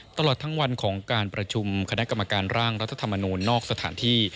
ตลอดทั้งวันของการประชุมคณะกรรมการร่างรัฐธรรมนูลนอกสถานที่